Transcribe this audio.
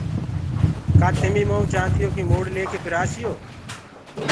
ڪآ تمي مئو چآنديو ڪي موڙ ليڪي پرآسيو